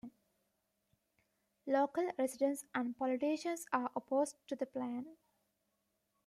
Local residents and politicians are opposed to the plan.